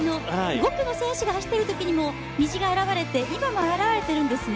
５区の選手が走ってるときも虹が現れて、今も現れてるんですね。